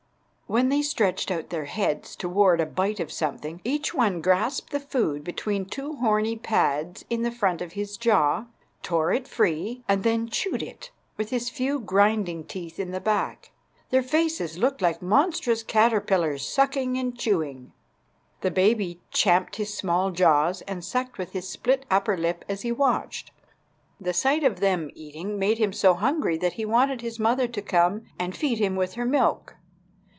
When they stretched out their heads, toward a bite of something, each one grasped the food between two horny pads in the front of his jaw, tore it free, and then chewed it with his few grinding teeth in the back. Their faces looked like monstrous caterpillars sucking and chewing. The baby champed his small jaws and sucked with his split upper lip as he watched. The sight of them eating made him so hungry that he wanted his mother to come and feed him with her milk.